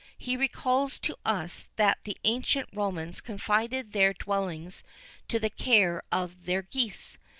He recals to us that the ancient Romans confided their dwellings to the care of their geese.